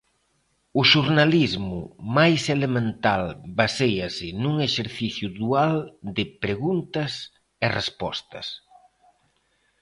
O xornalismo máis elemental baséase nun exercicio dual de preguntas e respostas.